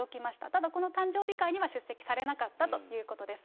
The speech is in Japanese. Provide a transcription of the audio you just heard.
ただこの誕生日会には出席されなかったということです。